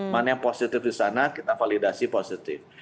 mana yang positif di sana kita validasi positif